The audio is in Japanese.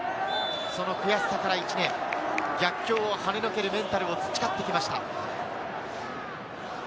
その悔しさから１年、逆境を跳ね除けるメンタルを培ってきました。